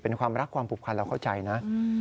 เป็นความรักความผูกพันเราเข้าใจนะ